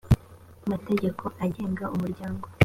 mategeko agenga umuryango